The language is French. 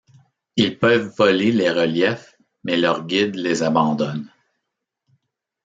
Ils peuvent voler les reliefs, mais leur guide les abandonne.